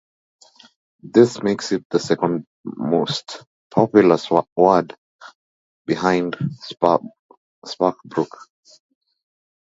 This makes it the second most populous ward, behind Sparkbrook.